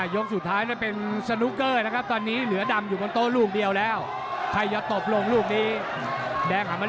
รอโต้อย่างหว่าสองครับ